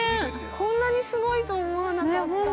こんなにすごいと思わなかった。